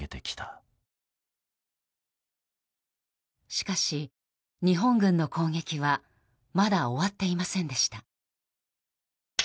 しかし、日本軍の攻撃はまだ終わっていませんでした。